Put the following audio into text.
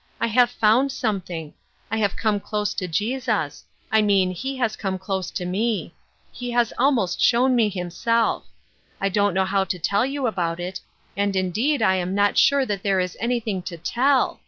I have found something. I have come close to Jesus — I mean he has come close to me. He has al most shown me himself. I don't know how to fcell you about it, and indeed I am not sure that 316 Ruth Erskine's Crosses. there is anything to tell.